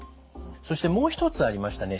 そしてもう一つありましたね。